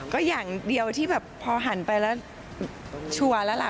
ก็อย่างเดียวที่แบบพอหันไปแล้วชัวร์แล้วล่ะ